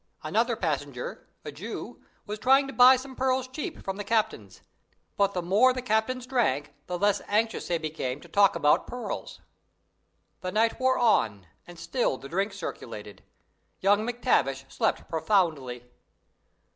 "Another passenger a Jew was trying to buy some pearls cheap from the captains, but the more the captains drank the less anxious they became to talk about pearls. "The night wore on, and still the drinks circulated. Young MacTavish slept profoundly.